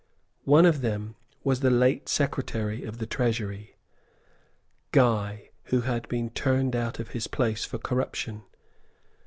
One of them was the late Secretary of the Treasury, Guy, who had been turned out of his place for corruption.